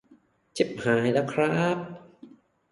ชิบหายแล้วครับ